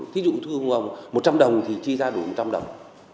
thí dụ thu một trăm linh đồng thì chi ra đủ một trăm linh đồng